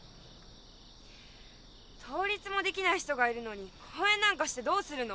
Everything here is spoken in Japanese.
倒立もできない人がいるのに公演なんかしてどうするの？